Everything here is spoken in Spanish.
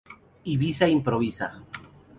Ibiza Improvisa.